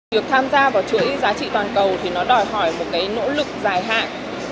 việc tham gia vào chuỗi giá trị toàn cầu thì nó đòi hỏi một cái nỗ lực dài hạn